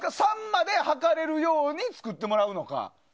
３まで測れるように作ってもらうのか。